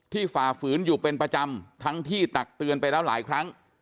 ฝ่าฝืนอยู่เป็นประจำทั้งที่ตักเตือนไปแล้วหลายครั้ง